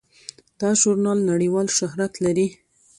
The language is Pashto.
دا ژورنال نړیوال شهرت لري.